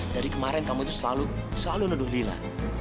dari kemarin kamu itu selalu nuduh lila